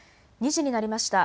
２時になりました。